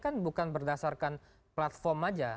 kan bukan berdasarkan platform aja